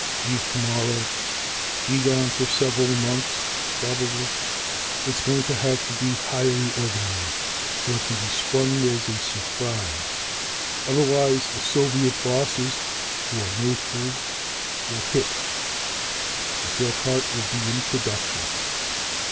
Leave tomorrow, be gone for several months probably. It's going to have to be highly organized, so it can be sprung as a surprise; otherwise the Soviet bosses, who are no fools, will hit. But your part will be in production.